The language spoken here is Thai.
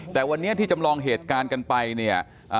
แต่วันนี้ที่จำลองเหตุการณ์กันไปเนี่ย